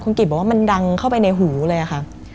คุณกิจบอกว่ามันดังเข้าไปในหูเลยค่ะ